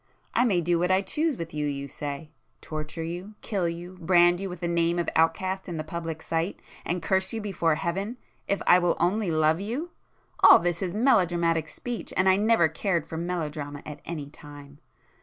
I may do what I choose with you, you say? torture you, kill you, brand you with the name of outcast in the public sight, and curse you before Heaven—if I will only love you!—all this is melodramatic speech, and I never cared for melodrama at any time.